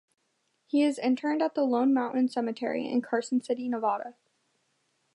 He is interred at the Lone Mountain Cemetery in Carson City, Nevada.